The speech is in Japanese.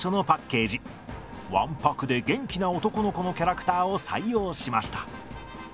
わんぱくで元気な男の子のキャラクターを採用しました。